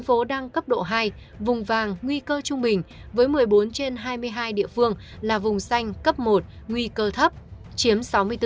thành phố đang cấp độ hai vùng vàng nguy cơ trung bình với một mươi bốn trên hai mươi hai địa phương là vùng xanh cấp một nguy cơ thấp chiếm sáu mươi bốn